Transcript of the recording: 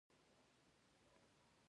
ګډ سترخوان د اتحاد او اتفاق نښه ده.